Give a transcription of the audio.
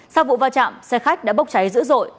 sau vụ va chạm xe khách đã bốc cháy dữ dội